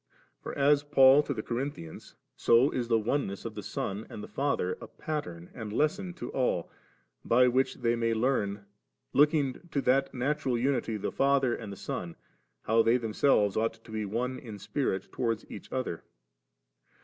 For as Paul to the Corinthians, so is the oneness of the Son and the Father a pattern and lesson to all, by which they may learn, looking to that natural unity of the Father and the Son, how they themselves ought to be one in spirit towards each other.